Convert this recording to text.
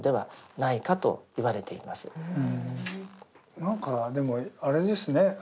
何かでもあれですね